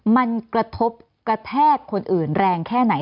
มันกระทบกระแทกคนอื่นแรงแค่ไหน